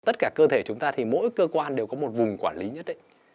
tất cả cơ thể chúng ta thì mỗi cơ quan đều có một vùng quản lý nhất định